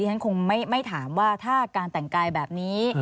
ฉันคงไม่ถามว่าถ้าการแต่งกายแบบนี้